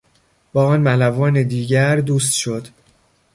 با آن ملوان دیگر دوست شد.